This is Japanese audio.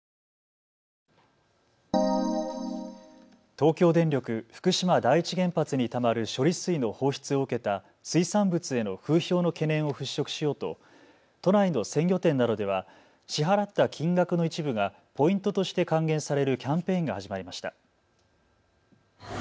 東京電力福島第一原発にたまる処理水の放出を受けた水産物への風評の懸念を払拭しようと都内の鮮魚店などでは支払った金額の一部がポイントとして還元されるキャンペーンが始まりました。